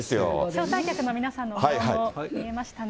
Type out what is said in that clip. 招待客の皆さんも見えましたね。